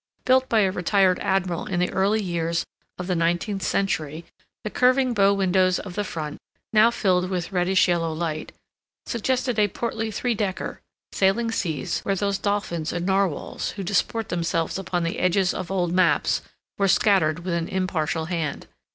Built by a retired admiral in the early years of the nineteenth century, the curving bow windows of the front, now filled with reddish yellow light, suggested a portly three decker, sailing seas where those dolphins and narwhals who disport themselves upon the edges of old maps were scattered with an impartial hand.